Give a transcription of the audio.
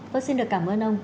tôi xin được cảm ơn ông